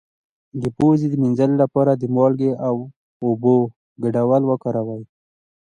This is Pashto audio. د پوزې د مینځلو لپاره د مالګې او اوبو ګډول وکاروئ